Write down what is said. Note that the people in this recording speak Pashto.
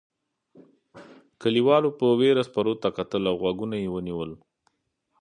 کليوالو په وېره سپرو ته کتل او غوږونه یې ونیول.